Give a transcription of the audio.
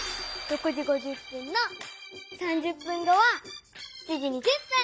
６時５０分の３０分後は７時２０分！